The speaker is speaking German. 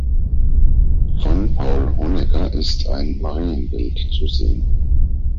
Von Paul Honegger ist ein Marienbild zu sehen.